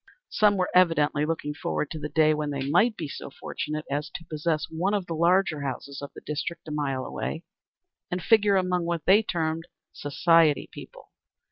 Some were evidently looking forward to the day when they might be so fortunate as to possess one of the larger houses of the district a mile away, and figure among what they termed "society people."